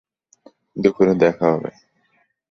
দুপুরে দেখা হবে।